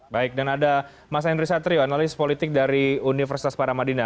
baik dan ada mas henry satrio analis politik dari universitas paramadina